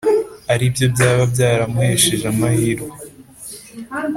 ari byo byaba byaramuhesheje amahirwe’